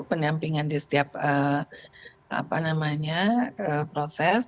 penampingan di setiap proses